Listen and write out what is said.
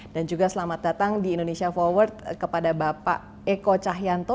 dan juga selamat datang di indonesia forward kepada bapak eko cahyanto